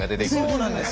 そうなんですよ。